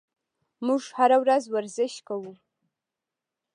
موږ هره ورځ ورزش کوو.